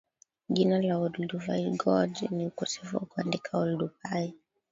Jina la Olduvai Gorge ni ukosefu wa kuandika Oldupai